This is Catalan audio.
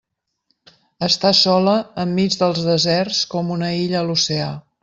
Està sola enmig dels deserts com una illa a l'oceà.